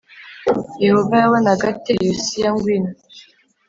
Yehova yabonaga ate Yosiya ngwino